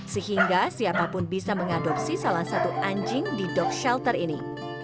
sehingga siapapun bisa mengadopsi salah satu anjing di dock shelter ini